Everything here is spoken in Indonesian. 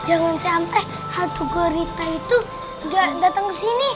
jangan sampai hati hati itu gak datang ke sini